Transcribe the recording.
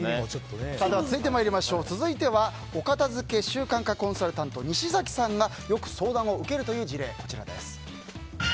続いてはお片づけ習慣化コンサルタント西崎さんがよく相談を受けるという事例こちらです。